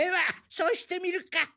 そうしてみるか。